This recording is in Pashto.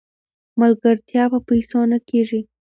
ملګرتیا په پیسو نه کیږي.